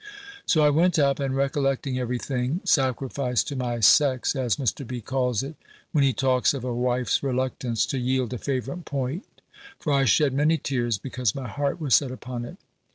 So I went up, and recollecting every thing, sacrificed to my sex, as Mr. B. calls it, when he talks of a wife's reluctance to yield a favourite point: for I shed many tears, because my heart was set upon it.